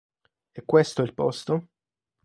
E' questo il posto?".